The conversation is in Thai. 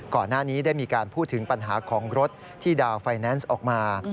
ก่อนหน้านี้ได้มีการพูดถึงปัญหาของรถที่ดาวไฟแนนซ์ออกมา